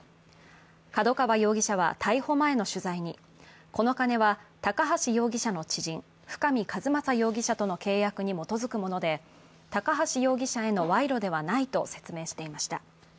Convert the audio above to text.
角川容疑者は、逮捕前の取材に、この金は高橋容疑者の知人、深見和政容疑者との契約に基づくもので高橋容疑者への賄賂ではないと説明していました。